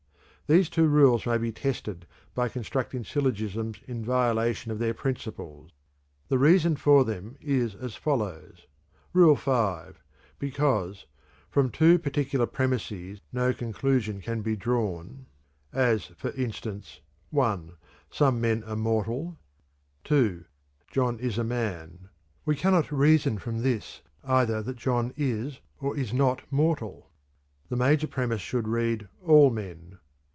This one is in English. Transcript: These two rules may be tested by constructing syllogisms in violation of their principles. The reason for them is as follows: (Rule V.) Because "from two particular premises no conclusion can be drawn," as, for instance: (1) Some men are mortal; (2) John is a man. We cannot reason from this either that John is or is not mortal. The major premise should read "all men."